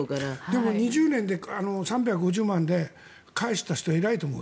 でも２０年で３５０万で返した人はすごいと思う。